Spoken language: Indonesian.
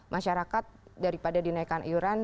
masyarakat daripada dinaikan iuran